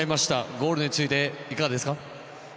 ゴールについていかがですか？